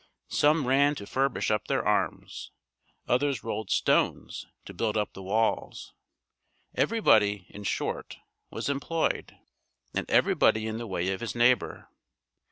Some ran to furbish up their arms; others rolled stones to build up the walls; everybody, in short, was employed, and everybody in the way of his neighbor.